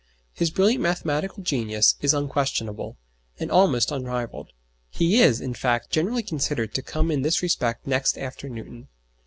His brilliant mathematical genius is unquestionable, and almost unrivalled. He is, in fact, generally considered to come in this respect next after Newton.